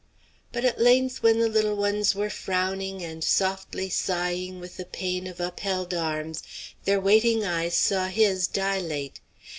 But at length when the little ones were frowning and softly sighing with the pain of upheld arms, their waiting eyes saw his dilate.